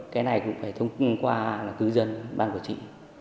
cái này cũng phải thông qua cư dân ban của chị